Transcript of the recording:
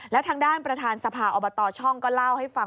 แล้วทางด้านประธานสภาอบตช่องก็เล่าให้ฟัง